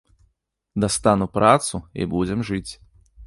Дастану працу і будзем жыць.